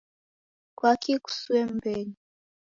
kwaki kusue m'mbenyu ?